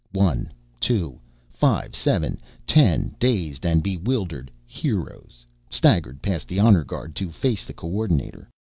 One, two, five, seven, ten dazed and bewildered "heroes" staggered past the honor guard, to face the Co ordinator.